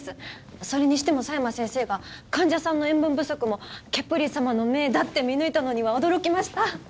それにしても佐山先生が患者さんの塩分不足もケプリ様の命だって見抜いたのには驚きました。